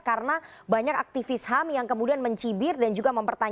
karena banyak aktivis ham yang kemudian mencibir dan juga mempertanyakan